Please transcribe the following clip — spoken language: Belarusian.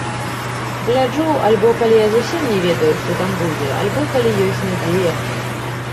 Гляджу альбо калі я зусім не ведаю, што там будзе, альбо калі ёсць надзея.